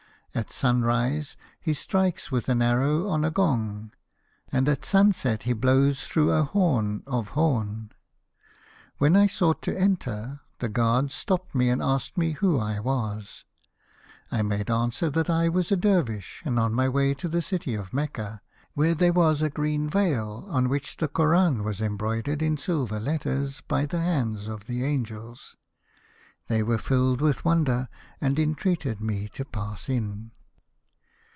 At sun rise he strikes with an arrow on a gong, and at sunset he blows through a horn of horn. " When I sought to enter, the guards stopped me and asked of me who I was. I made answer that I was a Dervish and on my way to the city of Mecca, where there was a green veil on which the Koran was em broidered in silver letters by the hands of the angels. They were filled with wonder, and entreated me to pass in.